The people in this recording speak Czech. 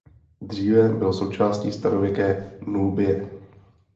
Dříve byl součástí starověké Núbie.